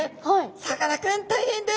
「さかなクン大変です！」。